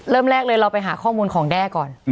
เริ่มแรกเลยเราไปหาข้อมูลของแด้ก่อน